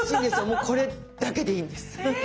もうこれだけでいいんです！え！